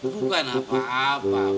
bukan apa apa